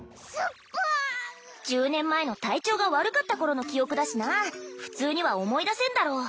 １０年前の体調が悪かった頃の記憶だしな普通には思い出せんだろう